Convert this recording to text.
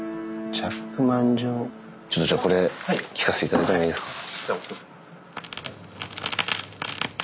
「チャックマン」じゃあこれ聴かせていただいてもいいですか。